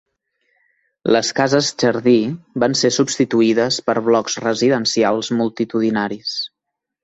Les cases jardí van ser substituïdes per blocs residencials multitudinaris.